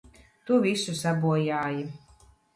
Tu visu sabojāji!